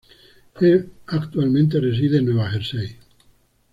Él actualmente reside en Nueva Jersey.